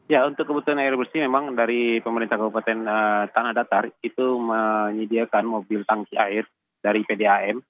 ya untuk kebutuhan air bersih memang dari pemerintah kabupaten tanah datar itu menyediakan mobil tangki air dari pdam